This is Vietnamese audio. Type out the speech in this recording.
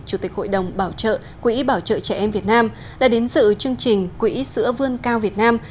chủ tịch hội đồng bảo trợ quỹ bảo trợ trẻ em việt nam đã đến dự chương trình quỹ sữa vươn cao việt nam